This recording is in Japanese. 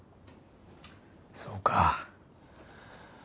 そうか。